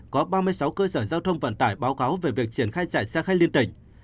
có ba mươi sáu cơ sở giao thông vận tải báo cáo về việc triển khai chạy xe khách liên tỉnh